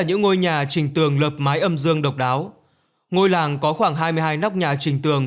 những ngôi nhà trình tường lợp mái âm dương độc đáo ngôi làng có khoảng hai mươi hai nóc nhà trình tường